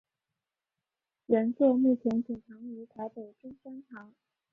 原作目前典藏于台北中山堂。